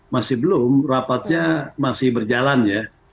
masih belum rapatnya masih berjalan ya